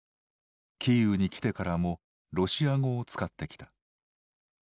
キーウに来てからもロシア語を使ってきた。